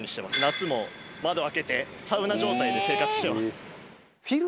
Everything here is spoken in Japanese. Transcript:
夏も窓開けてサウナ状態で生活してます。